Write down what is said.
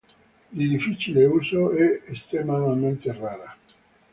Di difficile uso, è estremamente rara.